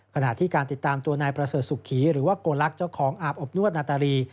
ขณะที่การติดตามตัวนายประเสริฐสุขีหรือว่าโกลักษณ์เจ้าของอาบอบนวดนาตารี